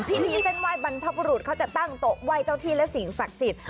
พิธีเส้นไหว้บรรพบุรุษเขาจะตั้งโต๊ะไหว้เจ้าที่และสิ่งศักดิ์สิทธิ์